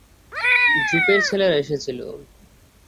জুপের ছেলেরা এসেছিল।